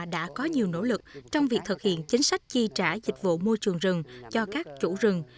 đã có nhiều nỗ lực trong việc thực hiện chính sách chi trả dịch vụ môi trường rừng cho các chủ rừng